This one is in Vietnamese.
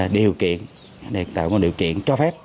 điều kiện tạo một điều kiện cho phép